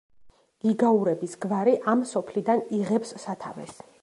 გიგაურების გვარი ამ სოფლიდან იღებს სათავეს.